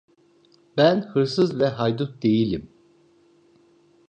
Ben hırsız ve haydut değilim…